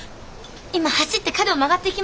今走って角を曲がっていきました。